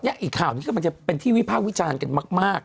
เน้ออีกข่าวนี้มันก็เป็นที่วิภาควิจารณ์กันมาก